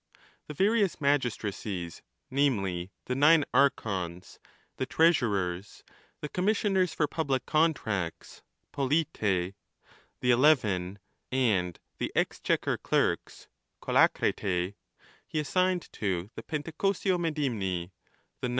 4 The various magistracies, namely, the nine Archons, the Trea surers, the Commissioners for Public Contracts [Poletae], the Eleven, 5 and the Exchequer Clerks [Colacretae], 6 he assigned to the Pentacosio 1 See ch.